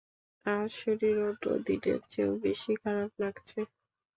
আজ শরীর অন্যদিনের চেয়েও বেশি খারাপ লাগছে।